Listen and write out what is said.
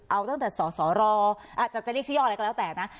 เอาตั้งแต่สสรอาจจะจะเรียกชื่อย่ออะไรก็แล้วแต่นะ